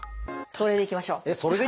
「それでいきましょう」？